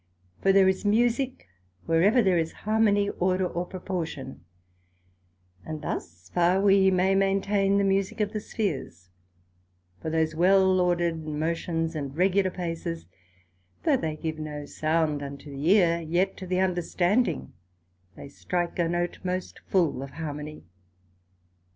For there is a musick where ever there is a harmony, order or proportion; and thus far we may maintain the musick of the Sphears: for those well ordered motions, and regular paces, though they give no sound unto the ear, yet to the understanding they strike a note most full of harmony.